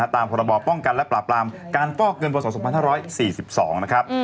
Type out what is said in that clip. ตามประบอบป้องกันและปราบรามการป้อกเงินประวัติศาสตร์๒๕๔๒นะครับ